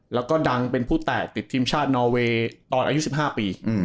แล้วก็ดังเป็นผู้แตะติดทีมชาตินอเวย์ตอนอายุ๑๕ปี